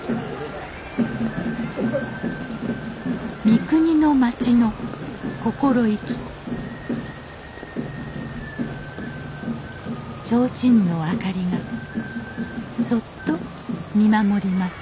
三国の町の心意気提灯のあかりがそっと見守ります